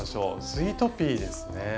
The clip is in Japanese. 「スイートピー」ですね。